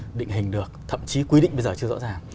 định hình được thậm chí quy định bây giờ chưa rõ ràng